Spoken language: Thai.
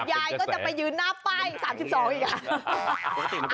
ยายก็จะไปยืนน่าไป้๓๒อีก